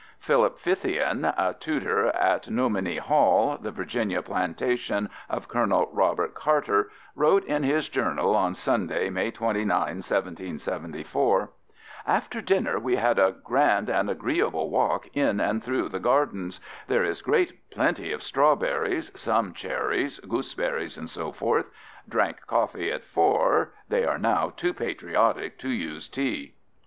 Philip Fithian, a tutor at Nomini Hall, the Virginia plantation of Col. Robert Carter, wrote in his journal on Sunday, May 29, 1774: After dinner we had a Grand & agreeable Walk in & through the Gardens There is great plenty of Strawberries, some Cherries, Goose berries &c. Drank Coffee at four, they are now too patriotic to use tea.